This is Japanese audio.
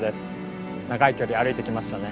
長い距離歩いてきましたね。